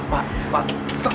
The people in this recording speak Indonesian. pak pak pak